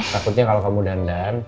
takutnya kalo kamu dandan